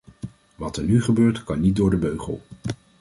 Wat er nu gebeurt, kan niet door de beugel.